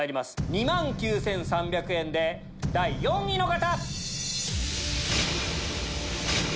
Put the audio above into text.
２万９３００円で第４位の方！